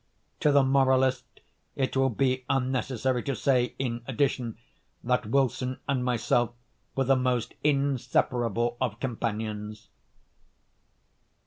To the moralist it will be unnecessary to say, in addition, that Wilson and myself were the most inseparable of companions.